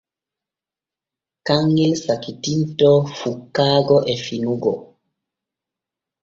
Kanŋel sakitintoo fukkaago e finugo.